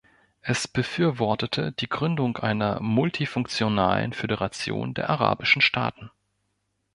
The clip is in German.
Es befürwortete die Gründung einer multifunktionalen Föderation der arabischen Staaten.